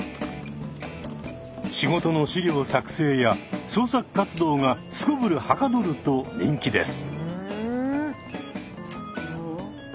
仕事の資料作成や創作活動がすこぶるはかどると人気です。